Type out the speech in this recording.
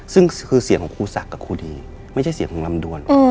ซึ่งคือเสียงของครูศักดิ์กับครูดีไม่ใช่เสียงของลำดวน